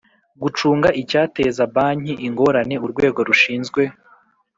Gucunga icyateza banki ingorane urwego rushinzwe